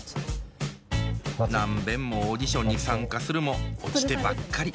何べんもオーディションに参加するも落ちてばっかり。